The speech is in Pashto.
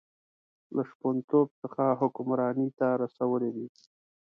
له شپونتوب څخه حکمرانۍ ته رسولی دی.